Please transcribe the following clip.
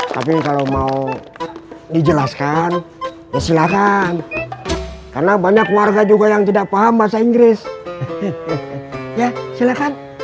tapi kalau mau dijelaskan ya silakan karena banyak warga juga yang tidak paham bahasa inggris ya silahkan